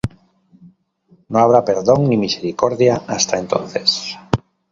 No habrá perdón ni misericordia hasta entonces.